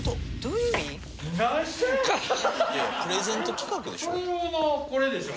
いやプレゼント企画でしょ？